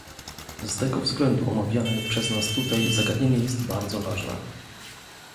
Z tego względu omawiane przez nas tutaj zagadnienie jest bardzo ważne